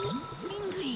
リングリ。